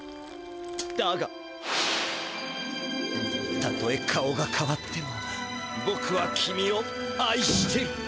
だがたとえ顔がかわってもぼくは君を愛してる」。